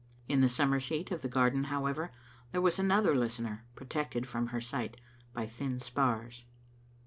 In the summer seat of the garden, how. ever, there was another listener protected from her sight by thin spars.